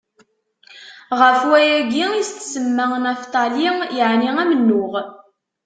Ɣef wayagi i s-tsemma Naftali, yeɛni amennuɣ.